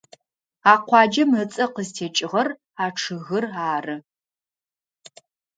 А къуаджэм ыцӏэ къызтекӏыгъэр а чъыгыр ары.